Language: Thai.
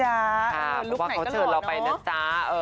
เพราะว่าเขาเชิญเราไปนะจ๊ะ